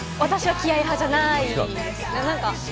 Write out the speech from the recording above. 私、気合い派じゃないです。